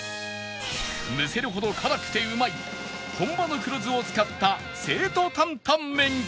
むせるほど辛くてうまい本場の黒酢を使った成都担担麺か？